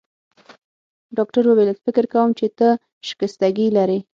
ډاکټر وویل: فکر کوم چي ته شکستګي لرې.